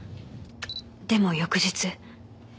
でも翌日。